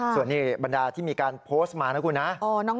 ส่วนนี้บรรดาที่มีการโพสต์มานะคุณนะ